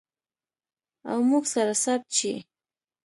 او موږ سره ثبت شي.